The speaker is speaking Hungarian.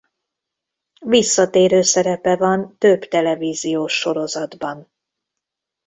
Visszatérő szerepe van több televíziós sorozatban.